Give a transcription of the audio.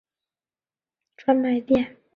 魔宠魔宠专卖店